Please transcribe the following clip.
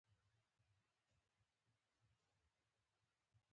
دوی د ساري ناروغیو مخنیوي لپاره اقدام وکړ.